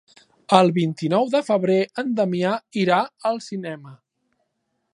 El vint-i-nou de febrer en Damià irà al cinema.